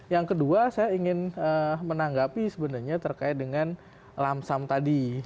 yang kedua saya ingin menanggapi sebenarnya terkait dengan lamsam tadi